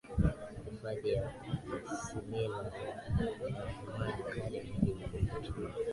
hifadhi ya isimila ina mali kale nyingi za kuvutia